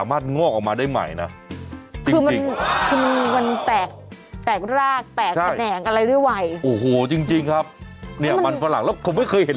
อะไรด้วยวัยโอ้โหจริงจริงครับเนี่ยมันฝรั่งแล้วผมไม่เคยเห็น